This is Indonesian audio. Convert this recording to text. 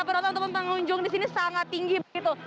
teman teman pengunjung disini sangat tinggi begitu